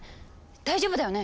大丈夫だよね？